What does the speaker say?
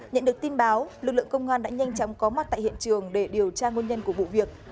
nhận được tin báo lực lượng công an đã nhanh chóng có mặt tại hiện trường để điều tra nguồn nhân của vụ việc